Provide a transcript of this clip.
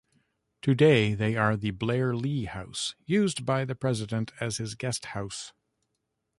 Today they are the Blair-Lee House, used by the President as his guest house.